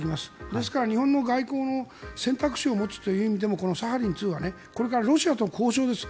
ですから、日本の外交も選択肢を持つという意味でもこのサハリン２はこれからロシアと交渉です。